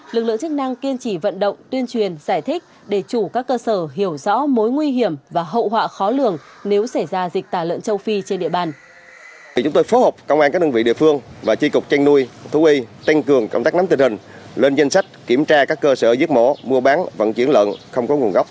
lực lượng chức năng kiên trì vận động tuyên truyền giải thích để chủ các cơ sở hiểu rõ mối nguy hiểm và hậu họa khó lường nếu xảy ra dịch tả lợn châu phi trên địa bàn